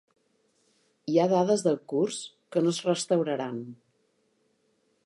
Hi ha dades del curs que no es restauraran.